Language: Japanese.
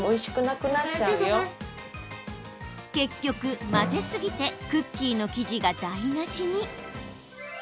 結局、混ぜすぎてクッキーの生地が台なしに。